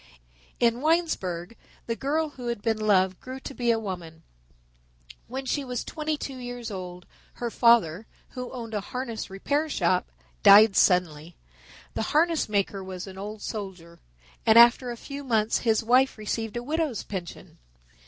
In Winesburg the girl who had been loved grew to be a woman. When she was twenty two years old her father, who owned a harness repair shop, died suddenly. The harness maker was an old soldier, and after a few months his wife received a widow's pension.